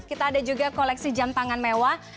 kita ada juga koleksi jam tangan mewah